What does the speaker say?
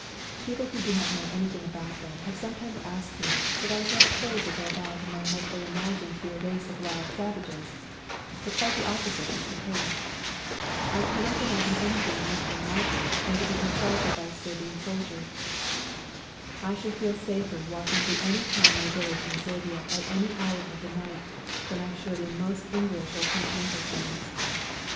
People who do not know anything about them have sometimes asked me if I was not afraid to go about among what they imagine to be a race of wild savages, but quite the opposite is the case. I cannot imagine anything more unlikely than to GOOD BYE TO SERBIA 123 be insulted by a Serbian soldier. I should feel safer walking through any town or village in Serbia at any hour of the night than I should in most English or Conti nental towns.